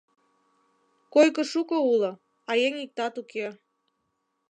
Койко шуко уло, а еҥ иктат уке.